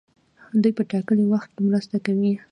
دوی په ټاکلي وخت کې مرسته کوي.